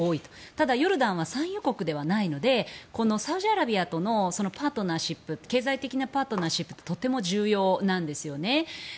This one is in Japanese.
ただ、ヨルダンは産油国ではないのでサウジアラビアとの経済的なパートナーシップってとても重要なんですよね。